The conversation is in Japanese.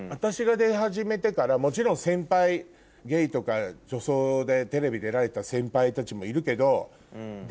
もちろん先輩ゲイとか女装でテレビ出られた先輩たちもいるけど。